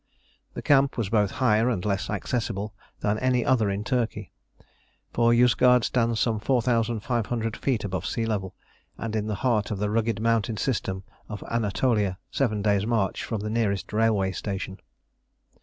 The camp was both higher and less accessible than any other in Turkey; for Yozgad stands some 4500 feet above sea level, and in the heart of the rugged mountain system of Anatolia, seven days' march from the nearest railway station.